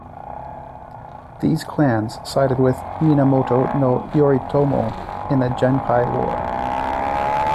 These clans sided with Minamoto no Yoritomo in the Genpei War.